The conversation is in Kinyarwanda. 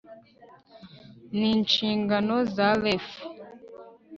n inshingano za reaf